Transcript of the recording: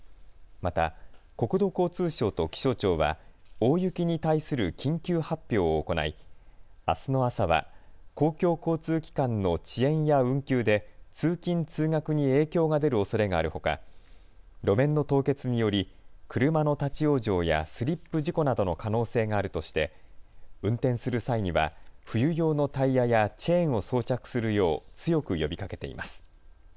また、国土交通省と気象庁は大雪に対する緊急発表を行いあすの朝は公共交通機関の遅延や運休で通勤通学に影響が出るおそれがあるほか路面の凍結により車の立往生やスリップ事故などの可能性があるとして運転する際には、冬用のタイヤやチェーンを装着するよう強く呼びかけています。